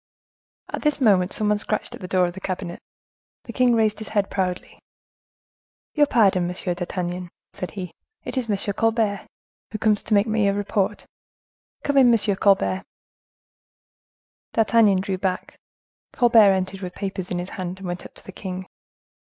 At this moment someone scratched at the door of the cabinet; the king raised his head proudly. "Your pardon, Monsieur d'Artagnan," said he; "it is M. Colbert, who comes to make me a report. Come in, M. Colbert." D'Artagnan drew back. Colbert entered with papers in his hand, and went up to the king.